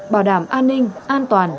bảo đảm an ninh an toàn